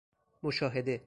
مشاهده